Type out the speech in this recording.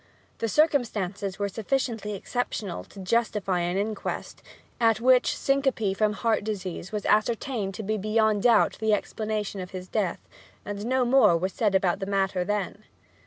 The circumstances were sufficiently exceptional to justify an inquest, at which syncope from heart disease was ascertained to be beyond doubt the explanation of his death, and no more was said about the matter then.